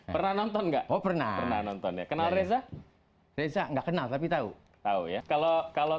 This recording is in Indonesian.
pernah nonton enggak oh pernah pernah nonton ya kenal reza reza enggak kenal tapi tahu tahu ya kalau kalau